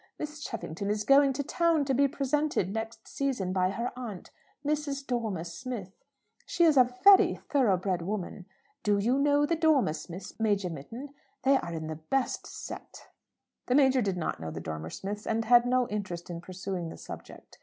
Miss Cheffington is going to town to be presented next season by her aunt, Mrs. Dormer Smith. She is a very thoroughbred woman. Do you know the Dormer Smiths, Major Mitton? They are in the best set." The Major did not know the Dormer Smiths, and had no interest in pursuing the subject.